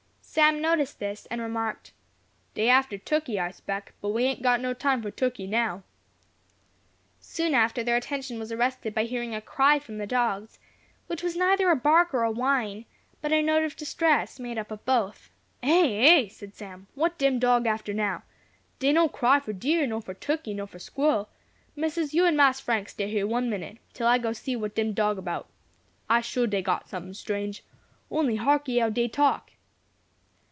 Sam noticed this, and remarked, "Dey after tukkey I 'speck, but we a'n't got no time fo' tukkey now." Soon after, their attention was arrested by hearing a cry from the dogs, which was neither a bark nor a whine, but a note of distress made up of both. "Eh! eh!" said Sam. "Wat dem dog after now? Dah no cry for deer, nor for tukkey, nor for squirrel. Missus, you and Mas Frank stay here one minute, till I go see w'at dem dog about. I sho' dey got some'n strange. Only harkee how dey talk!"